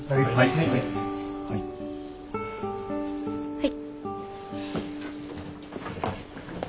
はい。